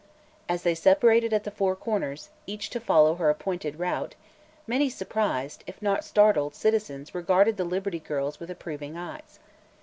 As they separated at the Four Corners, each to follow her appointed route, many surprised, if not startled, citizens regarded the Liberty Girls with approving eyes.